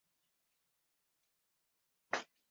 它坐落在月球东北缘并延伸到月球背面。